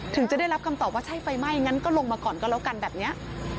ถึงจะได้รับคำตอบว่าไฟไหม้ใช่ก็ลงมาก่อนเอาละกันแบบเนี้ย